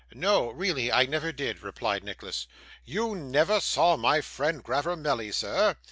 'No, really I never did,' replied Nicholas. 'You never saw my friend Glavormelly, sir!